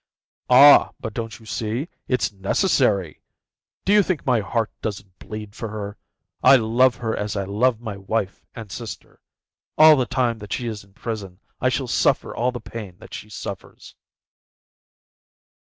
"Ah, but don't you see? It's necessary. Do you think my heart doesn't bleed for her? I love her as I love my wife and my sister. All the time that she is in prison I shall suffer all the pain that she suffers."